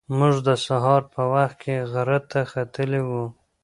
موږ د سهار په وخت کې غره ته ختلي وو.